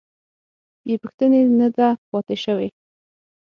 بې پوښتنې نه ده پاتې شوې.